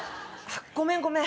ごめんごめん。